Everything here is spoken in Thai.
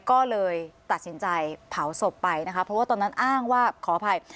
ก็เลยตัดสินใจเผาศพไปนะคะเพราะว่าตอนนั้นอ้างว่าขออภัย